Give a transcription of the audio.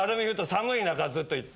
寒い中ずっと行って。